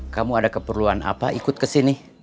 kamu ada keperluan apa ikut kesini